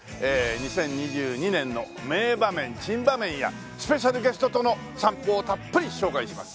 ２０２２年の名場面珍場面やスペシャルゲストとの散歩をたっぷり紹介します。